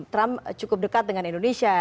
trump cukup dekat dengan indonesia